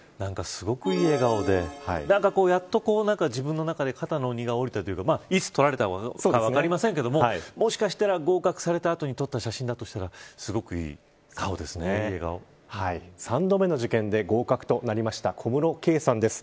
すごくいい笑顔でやっと自分の中で肩の荷がおりたというかいつ撮られたか分かりませんけどもしかしたら合格された後に撮った写真だとしたら３度目の受験で合格となりました小室圭さんです。